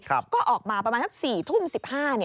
ก็ออกมาประมาณสัก๔ทุ่ม๑๕